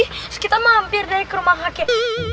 terus kita mampir dari ke rumah sakit